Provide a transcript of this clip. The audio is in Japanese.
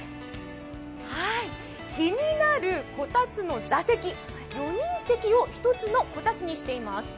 気になるこたつの座席、４人席を１つのこたつにしています。